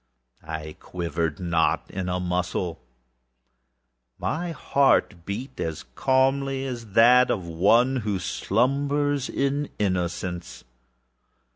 I quivered not in a muscle. My heart beat calmly as that of one who slumbers in innocence.